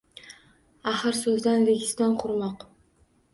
Аhir soʼzdan Registon qurmoq